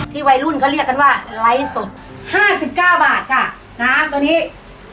วัยรุ่นเขาเรียกกันว่าไลฟ์สดห้าสิบเก้าบาทค่ะน้ำตัวนี้